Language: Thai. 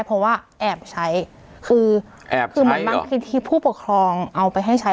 เพราะว่าแอบใช้คือแอบคือเหมือนบางทีที่ผู้ปกครองเอาไปให้ใช้